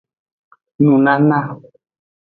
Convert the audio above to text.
Nunana.